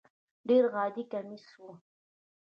ډېر عادي کمیس و.